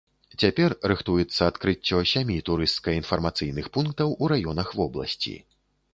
Цяпер рыхтуецца адкрыццё сямі турысцка-інфармацыйных пунктаў у раёнах вобласці.